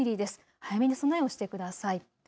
早めに備えをしてください。